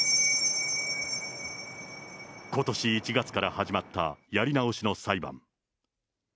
ことし１月から始まったやり直しの裁判。